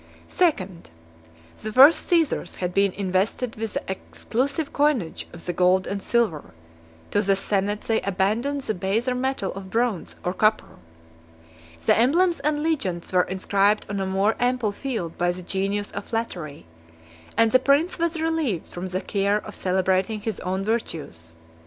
II. The first Cæsars had been invested with the exclusive coinage of the gold and silver; to the senate they abandoned the baser metal of bronze or copper: 38 the emblems and legends were inscribed on a more ample field by the genius of flattery; and the prince was relieved from the care of celebrating his own virtues.